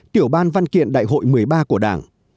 tiểu ban văn kiện đại hội một mươi ba của đảng